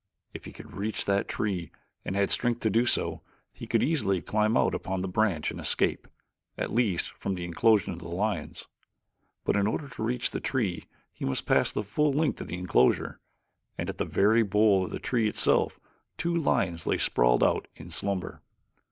If he could reach that tree and had strength to do so, he could easily climb out upon the branch and escape, at least, from the enclosure of the lions. But in order to reach the tree he must pass the full length of the enclosure, and at the very bole of the tree itself two lions lay sprawled out in slumber.